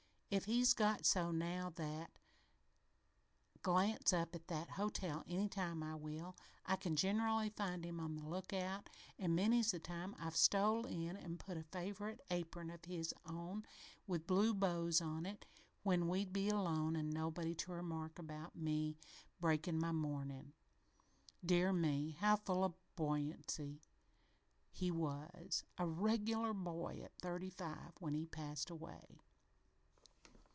It's got so now that, glance up at that hotel any time I will, I can generally find him on the lookout, an' many's the time I've stole in an' put on a favoryte apron o' his with blue bows on it, when we'd be alone an' nobody to remark about me breakin' my mournin'. Dear me, how full o' b'oyancy he was a regular boy at thirty five, when he passed away!"